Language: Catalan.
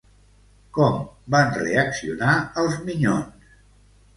Com van reaccionar els minyons?